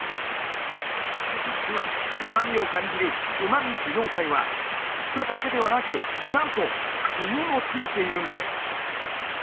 実はうま味を感じるうま味受容体は舌だけではなくなんと胃にもついているんです！